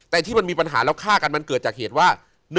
แต่ที่มันมีปัญหาแล้วฆ่ากันมันเกิดจากเหตุว่า